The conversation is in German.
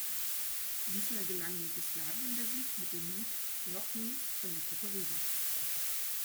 Diesmal gelang Jugoslawien der Sieg mit dem Lied "Rock Me" von der Gruppe Riva.